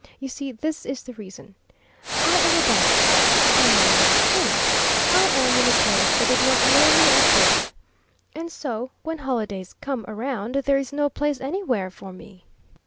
You see, this is the reason: I am a bachelor; I am without kin; I am in a place that did not know me at birth. And so, when holidays come around, there is no place anywhere for me.